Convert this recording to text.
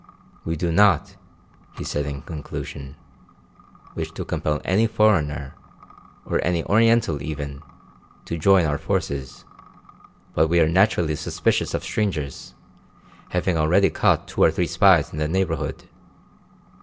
"We do not," he said in conclusion, "wish to compel any foreigner, or any Oriental even, to join our forces; but we are naturally suspicious of strangers, having already caught two or three spies in the neighbourhood.